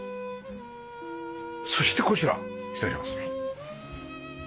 そしてこちら失礼します。